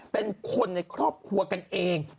เป็นคนในครอบครัวกันเอง